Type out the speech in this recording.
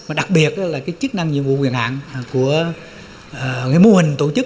mà đặc biệt là cái chức năng nhiệm vụ quyền hạng của cái mô hình tổ chức